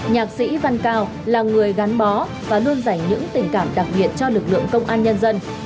nhạc sĩ văn cao là người gắn bó và luôn dành những tình cảm đặc biệt cho lực lượng công an nhân dân